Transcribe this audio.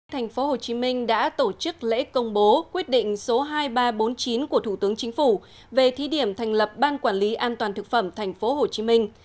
thành phố hồ chí minh đã tổ chức lễ công bố quyết định số hai nghìn ba trăm bốn mươi chín của thủ tướng chính phủ về thí điểm thành lập ban quản lý an toàn thực phẩm thành phố hồ chí minh